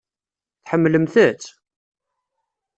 Tḥemmlemt-tt?